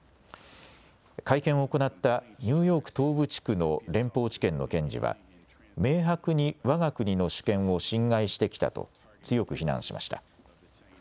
会見を行ったニューヨーク東部地区の連邦地検の検事は、明白にわが国の主権を侵害してきたと強く非難しました。